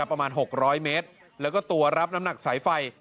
ประมาณ๖๐๐เมตรแล้วก็ตัวรับน้ำหนักสายไฟ